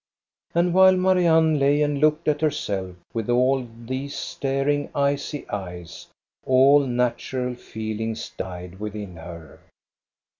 And while Marianne lay and looked at herself with all these staring icy eyes, all natural feelings died within her.